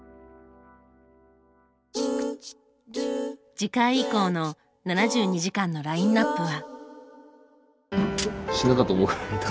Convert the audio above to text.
次回以降の「７２時間」のラインナップは。